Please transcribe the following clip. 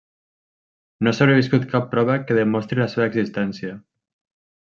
No ha sobreviscut cap prova que demostri la seva existència.